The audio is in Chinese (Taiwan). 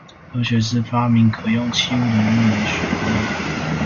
科學是發明可用器物的一門學問